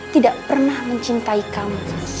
tidak bisa menjaga kamu